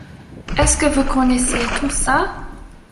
Est-ce que vous connaissiez tout ça?